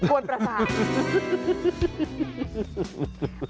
วนประสาท